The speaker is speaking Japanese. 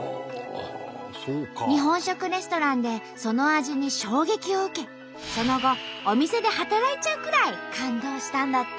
日本食レストランでその味に衝撃を受けその後お店で働いちゃうくらい感動したんだって。